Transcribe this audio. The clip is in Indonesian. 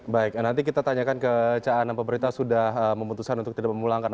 baik nanti kita tanyakan ke caan pemerintah sudah memutuskan untuk tidak memulangkan